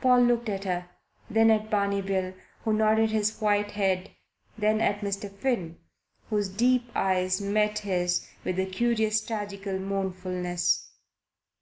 Paul looked at her, then at Barney Bill, who nodded his white head, then at Mr. Finn, whose deep eyes met his with a curious tragical mournfulness.